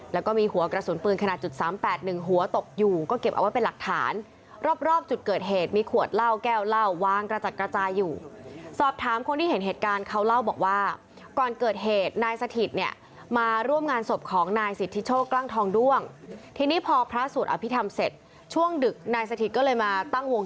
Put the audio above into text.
แล้วก็มีหัวกระสุนปืนขนาดจุดสามแปดหนึ่งหัวตกอยู่ก็เก็บเอาไว้เป็นหลักฐานรอบจุดเกิดเหตุมีขวดเหล้าแก้วเหล้าวางกระจัดกระจายอยู่สอบถามคนที่เห็นเหตุการณ์เขาเล่าบอกว่าก่อนเกิดเหตุนายสถิตเนี่ยมาร่วมงานศพของนายสิทธิโชคกล้างทองด้วงทีนี้พอพระสวดอภิษฐรรมเสร็จช่วงดึกนายสถิตก็เลยมาตั้งวง